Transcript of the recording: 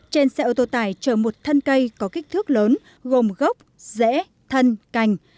trên xe ô tô tải trở một thân cây có kích thước lớn gồm gốc rẽ thân cành